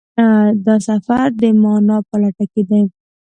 دا سفر د مانا په لټه کې دی.